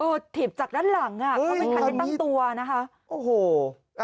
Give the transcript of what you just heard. เออถีบจากด้านหลังเขาไม่ทันให้ตั้งตัวนะคะ